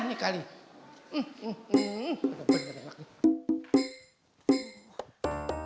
dekat hausnya ya penyelolok